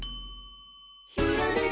「ひらめき」